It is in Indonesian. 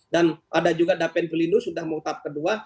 dan ada juga dapen belindung sudah mengutap kedua